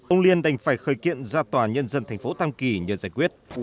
ông liên đành phải khởi kiện ra tòa nhân dân thành phố tam kỳ nhờ giải quyết